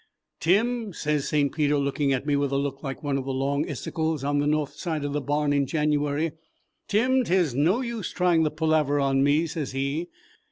'Tim,' sez St. Peter, looking at me with a look like one of the long isuckles on the north side of the barn in January, 'Tim, 't is no use trying the palarver on me,' sez he.